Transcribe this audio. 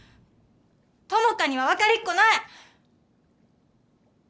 朋香には分かりっこない！